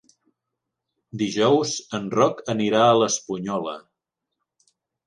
Dijous en Roc anirà a l'Espunyola.